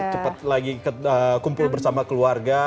cepat lagi kumpul bersama keluarga